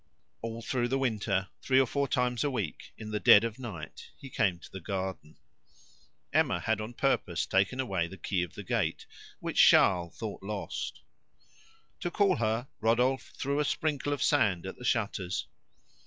All through the winter, three or four times a week, in the dead of night he came to the garden. Emma had on purpose taken away the key of the gate, which Charles thought lost. To call her, Rodolphe threw a sprinkle of sand at the shutters.